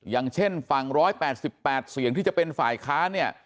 อย่างเช่นฝั่งร้อยแปดสี่แปดเสียงที่จะเป็นฝ่ายค้า